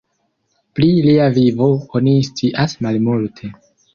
Pli lia vivo oni scias malmulte.